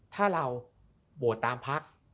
ถ้าเราโบดตามพรรค